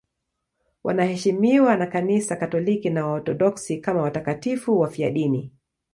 Wanaheshimiwa na Kanisa Katoliki na Waorthodoksi kama watakatifu wafiadini.